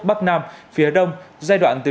bắc nam phía đông giai đoạn từ